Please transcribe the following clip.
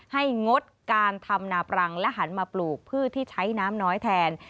งดการทำนาปรังและหันมาปลูกพืชที่ใช้น้ำน้อยแทน